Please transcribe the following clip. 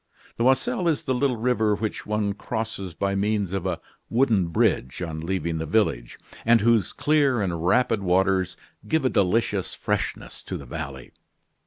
The Oiselle is the little river which one crosses by means of a wooden bridge on leaving the village, and whose clear and rapid waters give a delicious freshness to the valley.